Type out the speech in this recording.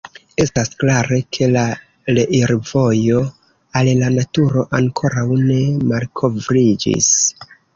Estas klare ke la reirvojo al la naturo ankoraŭ ne malkovriĝis.